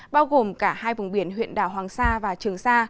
bao gồm cả hai vùng biển huyện đảo hoàng sa và trường sa